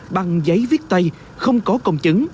bằng giấy viết tay không có công chứng